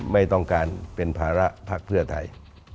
ไม่ต้องการเป็นภาระภักดิ์เพื่อไทย